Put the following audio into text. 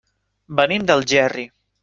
Venim d'Algerri.